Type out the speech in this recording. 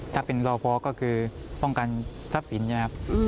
ถ้าเป็นรอพอก็คือป้องกันทรัพย์สินใช่ไหมครับ